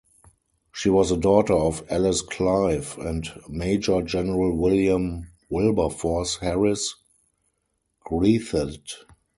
She was the daughter of Alice Clive and Major General William Wilberforce Harris Greathed.